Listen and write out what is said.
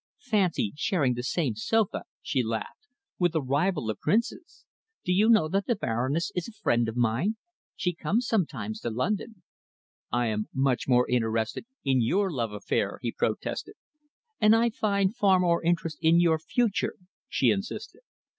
"Fancy sharing the same sofa," she laughed, "with a rival of princes! Do you know that the Baroness is a friend of mine? She comes sometimes to London." "I am much more interested in your love affair," he protested. "And I find far more interest in your future," she insisted.